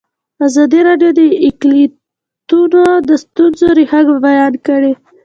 ازادي راډیو د اقلیتونه د ستونزو رېښه بیان کړې.